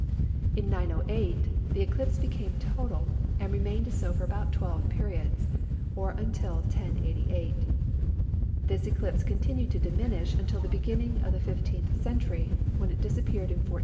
In 908 the eclipse became total, and remained so for about twelve periods, or until 1088. This eclipse continued to diminish until the beginning of the 15th century, when it disappeared in 1413.